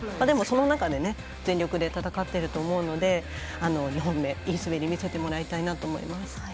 でも、その中で全力で戦っていると思うので２本目、いい滑り見せてもらいたいなと思います。